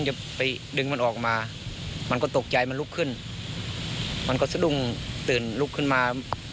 จะไปดึงมันออกมามันก็ตกใจมันลุกขึ้นมันก็สะดุ้งตื่นลุกขึ้นมา